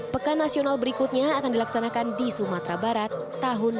pekan nasional berikutnya akan dilaksanakan di sumatera barat tahun dua ribu dua puluh